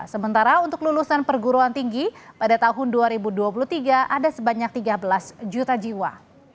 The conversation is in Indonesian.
sementara untuk lulusan perguruan tinggi pada tahun dua ribu dua puluh tiga ada sebanyak tiga belas juta jiwa